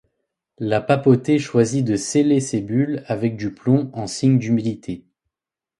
La papauté choisit de sceller ses bulles avec du plomb en signe d'humilité.